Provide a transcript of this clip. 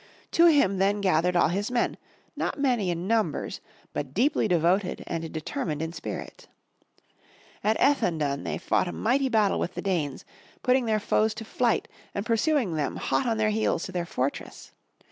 To him then gathered all his men, not many in numbers, but deeply devoted and determined in spirit. At Ethandun they fought a mighty battle with the Danes, putting their foes to flight and pursuing them hot on their heels to their fortress.